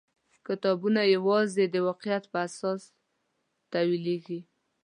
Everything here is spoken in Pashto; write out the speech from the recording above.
کتابونه یوازې د واقعیت پر اساس تاویلېږي.